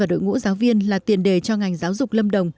và đội ngũ giáo viên là tiền đề cho ngành giáo dục lâm đồng